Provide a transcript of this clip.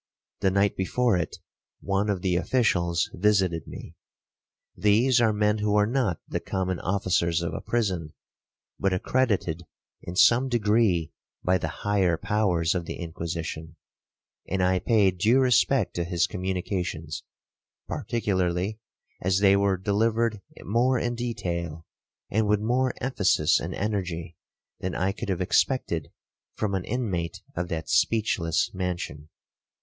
The night before it one of the officials visited me. These are men who are not the common officers of a prison, but accredited in some degree by the higher powers of the Inquisition, and I paid due respect to his communications, particularly as they were delivered more in detail, and with more emphasis and energy than I could have expected from an inmate of that speechless mansion.